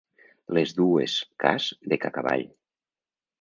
Les dues cas de Cacavall.